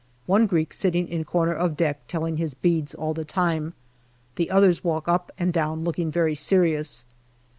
One Greek sitting in corner of deck telling his beads all the time. The others walk up and down looking very serious.